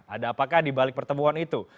ada apakah di balik pertemuan itu